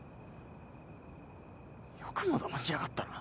よくもだましやがったな。